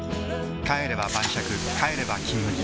帰れば晩酌帰れば「金麦」